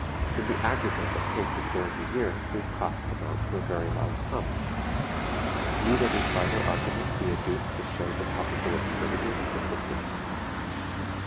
In the aggregate of cases during a year these costs amount to a very large sum. Need any farther argument be adduced to show the palpable absurdity of the system?